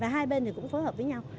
và hai bên thì cũng phối hợp với nhau